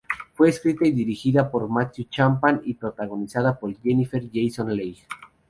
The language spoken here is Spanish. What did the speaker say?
Fue escrita y dirigida por Matthew Chapman y protagonizada por Jennifer Jason Leigh.